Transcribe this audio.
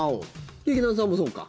劇団さんもそうか。